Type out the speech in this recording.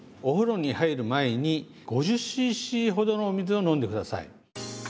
お風呂に入る前に５０ｃｃほどのお水を飲んで下さい。